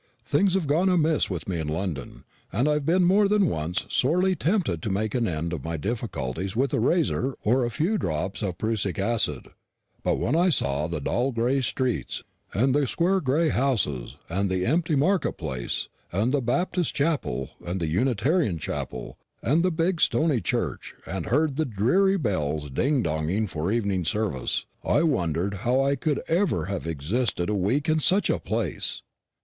Things have gone amiss with me in London, and I've been more than once sorely tempted to make an end of my difficulties with a razor or a few drops of prussic acid; but when I saw the dull gray streets and the square gray houses, and the empty market place, and the Baptist chapel, and the Unitarian chapel, and the big stony church, and heard the dreary bells ding donging for evening service, I wondered how I could ever have existed a week in such a place.